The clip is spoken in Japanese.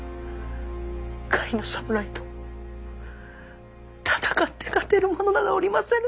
甲斐の侍と戦って勝てる者などおりませぬ！